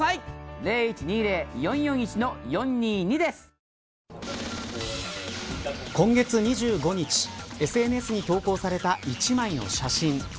新「アタックＺＥＲＯ」今月２５日ＳＮＳに投稿された１枚の写真。